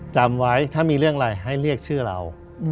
จำไว้ถ้ามีเรื่องอะไรให้เรียกชื่อเรา